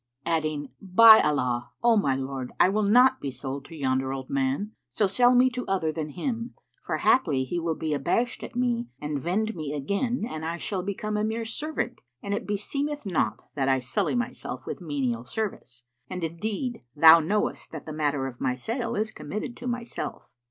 Adding, "By Allah, O my lord, I will not be sold to yonder old man; so sell me to other than him, for haply he will be abashed at me and vend me again and I shall become a mere servant[FN#460] and it beseemeth not that I sully myself with menial service; and indeed thou knowest that the matter of my sale is committed to myself."